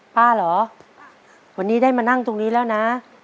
ป้าเหรอวันนี้ได้มานั่งตรงนี้แล้วนะ